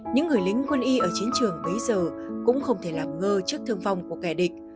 những người lính quân y ở chiến trường bấy giờ cũng không thể làm ngơ trước thương vong của kẻ địch